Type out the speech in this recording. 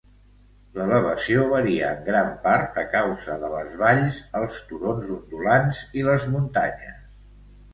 L'elevació varia en gran part a causa de les valls, els turons ondulants i les muntanyes.